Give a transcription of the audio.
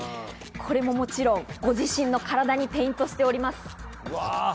これももちろんご自身の体にペイントしております。